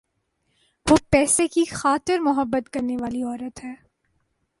وہ پیسے کی خاطر مُحبت کرنے والی عورت ہے۔`